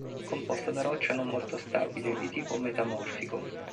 Composta da roccia non molto stabile di tipo metamorfico.